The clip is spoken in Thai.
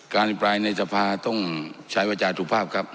การริปรายในทรภาพต้องใช้วจาถูกภาพครับ